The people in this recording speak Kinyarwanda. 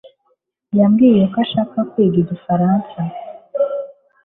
yambwiye ko ashaka kwiga igifaransa